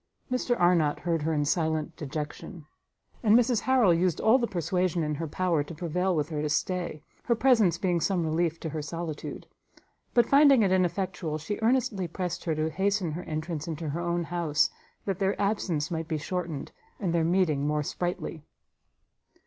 Mr Arnott heard her in silent dejection; and Mrs Harrel used all the persuasion in her power to prevail with her to stay, her presence being some relief to her solitude: but finding it ineffectual, she earnestly pressed her to hasten her entrance into her own house, that their absence might be shortened, and their meeting more sprightly.